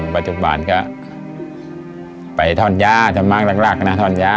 ปัจจุบันก็ไปทอนยาทำงานหลักนะทอนยา